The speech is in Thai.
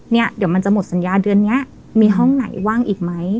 เนี่ยเดี๋ยวมันจะหมดสัญญาเดือนนี้มีห้องไหนว่างอีกไหม